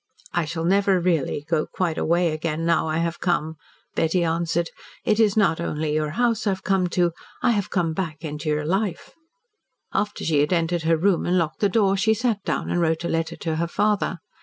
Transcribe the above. "I shall never really go quite away again, now I have come," Betty answered. "It is not only your house I have come into. I have come back into your life." After she had entered her room and locked the door she sat down and wrote a letter to her father.